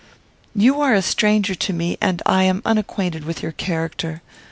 "You are a stranger to me, and I am unacquainted with your character.